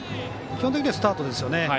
基本的にはスタートですね。